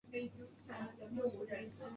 文化功劳者。